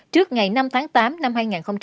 trước ngày năm tháng tám năm hai nghìn một mươi sáu